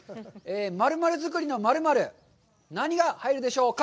○○作りの○○、何が入るでしょうか。